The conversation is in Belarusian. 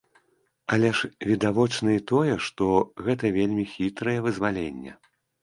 Але ж відавочна і тое, што гэта вельмі хітрае вызваленне.